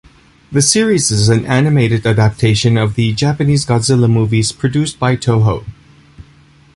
The series is an animated adaptation of the Japanese "Godzilla" movies produced by Toho.